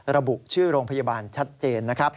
ระบุชื่อโรงพยาบาลชัดเจนนะครับ